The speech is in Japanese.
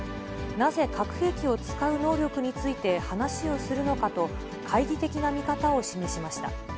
なぜ核兵器を使う能力について話をするのかと、懐疑的な見方を示しました。